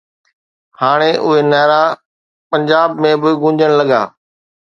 هاڻي اهي نعرا پنجاب ۾ به گونجڻ لڳا